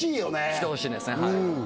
してほしいですね。